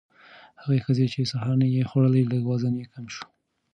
هغه ښځې چې سهارنۍ یې خوړله، لږ وزن یې کم شو.